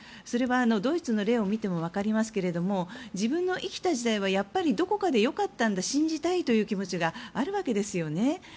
それはドイツの例を見ても分かりますけれども自分の生きた時代はどこかでやっぱり良かったんだと信じたいという気持ちがあるわけですよね。